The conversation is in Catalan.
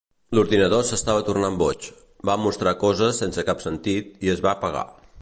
L'ordinador s'estava tornant boig, va mostrar coses sense cap sentit i es va apagar.